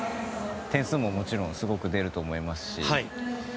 点数も、もちろんすごく出ると思いますし。